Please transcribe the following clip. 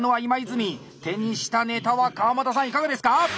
手にしたネタは川股さんいかがですか？